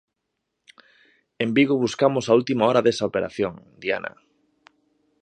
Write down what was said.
En Vigo buscamos a última hora desa operación, Diana.